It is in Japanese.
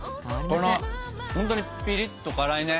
ほんとにピリッと辛いね。